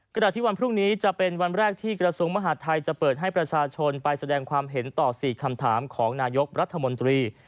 ขณะที่วันพรุ่งนี้จะเป็นวันแรกที่กระทรวงมหาดไทยจะเปิดให้ประชาชนไปแสดงความเห็นต่อ๔คำถามของนายกรัฐมนตรี